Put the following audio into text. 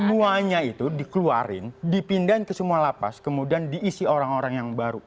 semuanya itu dikeluarin dipindahin ke semua lapas kemudian diisi orang orang yang baru